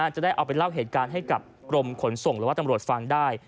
จะได้เอาไปเล่าเหตุการณ์ให้กับกรมขนส่งหรือว่าตำรวจฟังได้